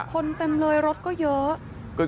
เต็มเลยรถก็เยอะ